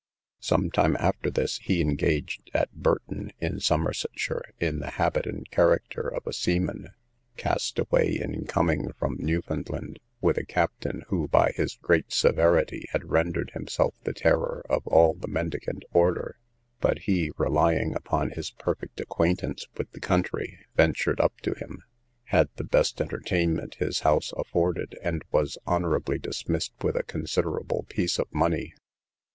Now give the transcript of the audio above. Some time after this, he engaged, at Burton, in Somersetshire, in the habit and character of a seaman, cast away in coming from Newfoundland, with a captain, who, by his great severity, had rendered himself the terror of all the mendicant order; but he, relying upon his perfect acquaintance with the country, ventured up to him, had the best entertainment his house afforded, and was honourably dismissed with a considerable piece of money.